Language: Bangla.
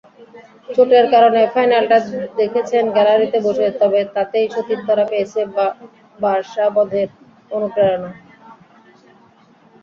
চোটের কারণে ফাইনালটা দেখেছেন গ্যালারিতে বসে, তবে তাতেই সতীর্থরা পেয়েছে বার্সা-বধের অনুপ্রেরণা।